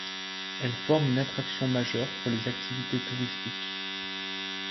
Elles forment une attraction majeure pour les activités touristiques.